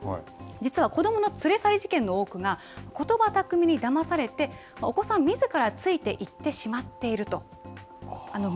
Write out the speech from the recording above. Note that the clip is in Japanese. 実はですね小宮教授によりますと実は子どもの連れ去り事件の多くがことば巧みにだまされてお子さんみずから付いていってしまっていると。